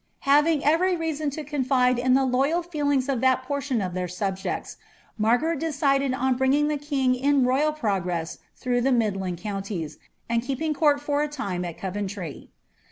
Having every reason to confide in the loyal feelings of that itioo of their subjects, Margaret decided on brin^ring the king in ro3ral sgress through the midland counties, and keeping court for a time at vrentry.